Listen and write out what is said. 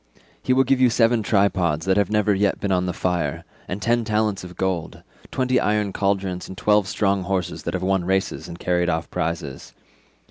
He will give you seven tripods that have never yet been on the fire, and ten talents of gold; twenty iron cauldrons, and twelve strong horses that have won races and carried off prizes.